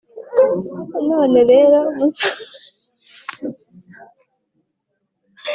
none rero musaza karekezi twiteguye kubaha inkwano